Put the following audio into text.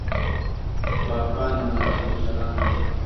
پاپان د مذهب مشران وو.